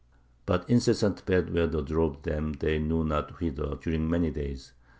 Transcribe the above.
But incessant bad weather drove them they knew not whither during many days.